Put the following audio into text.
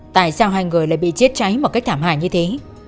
tại sao hai người lại bị chết cháy một cách thảm hải như thế